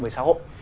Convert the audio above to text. với xã hội